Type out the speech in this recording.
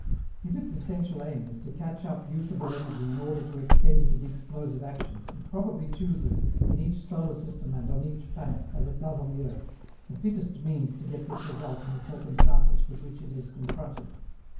If its essential aim is to catch up usable energy in order to expend it in explosive actions, it probably chooses, in each solar system and on each planet, as it does on the earth, the fittest means to get this result in the circumstances with which it is confronted.